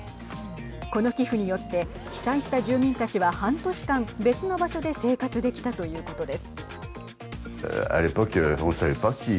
この寄付によって被災した住民たちは半年間、別の場所で生活できたということです。